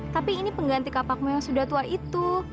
tapi ini pengganti kapakmu yang sudah tua itu